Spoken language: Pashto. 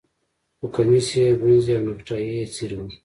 خو کمیس یې ګونځې او نیکټايي یې څیرې وه